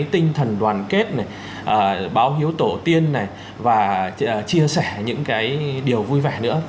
tinh thần đoàn kết này báo hiếu tổ tiên này và chia sẻ những cái điều vui vẻ nữa